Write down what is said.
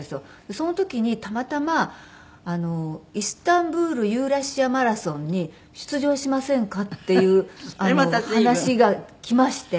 その時にたまたまイスタンブールユーラシアマラソンに出場しませんか？っていう話が来まして。